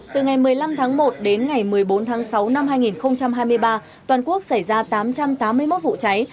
từ ngày một mươi năm tháng một đến ngày một mươi bốn tháng sáu năm hai nghìn hai mươi ba toàn quốc xảy ra tám trăm tám mươi một vụ cháy